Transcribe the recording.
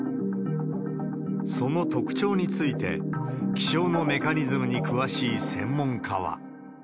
その特徴について、気象のメカニズムに詳しい専門家は。